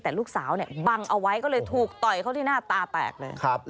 แต่ลูกสาวเนี่ยบังเอาไว้ก็เลยถูกต่อยเขาที่หน้าตาแตกเลย